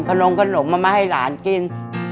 พะนมขนมมะมะให้หลานกิน